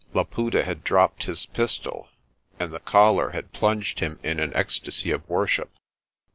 Laputa had dropped his pistol, and the collar had plunged him in an ecstasy of worship.